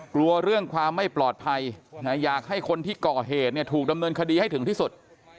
กลัวเรื่องความไม่ปลอดภัยอยากให้คนที่ก่อเหตุเนี่ยถูกดำเนินคดีให้ถึงที่สุด